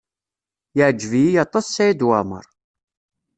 Yeɛjeb-iyi aṭas Saɛid Waɛmaṛ.